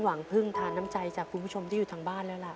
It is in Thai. หวังพึ่งทานน้ำใจจากคุณผู้ชมที่อยู่ทางบ้านแล้วล่ะ